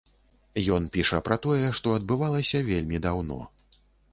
Ён піша пра тое, што адбывалася вельмі даўно.